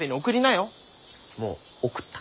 もう送った。